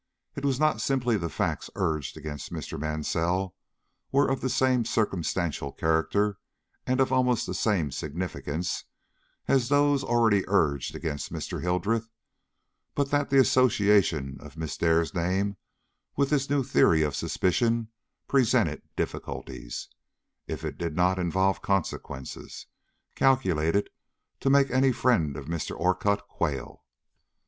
It was not simply that the facts urged against Mr. Mansell were of the same circumstantial character and of almost the same significance as those already urged against Mr. Hildreth, but that the association of Miss Dare's name with this new theory of suspicion presented difficulties, if it did not involve consequences, calculated to make any friend of Mr. Orcutt quail.